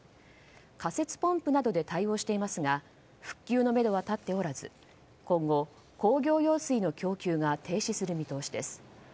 仮設ポンプなどで対応していますが復旧のめどは立っておらず今後、工業用水の供給が停止する見通しです。